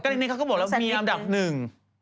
ก็อย่างนี้เขาก็บอกแล้วว่ามีอัมดับหนึ่ง